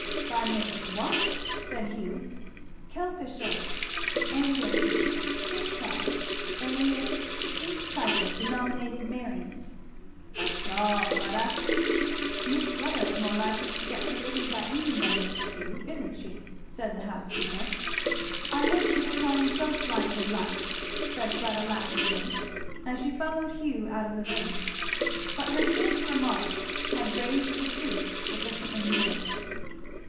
"By making what?" said Hugh. "Quelquechoses, anglicé, kickshaws, alias, sweet trifles denominated merrings." "Pshaw, Fleda!" "Miss Fleda is more likely to get her living by eating them, Mr. Hugh, isn't she?" said the housekeeper. "I hope to decline both lines of life," said Fleda laughingly as she followed Hugh out of the room. But her chance remark had grazed the truth sufficiently near.